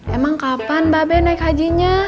emang kapan mbak be naik hajinya